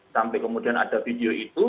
sampai kemudian ada video itu